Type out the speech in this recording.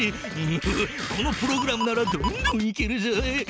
このプログラムならどんどん行けるぞ。